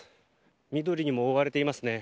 緑にも覆われていますね。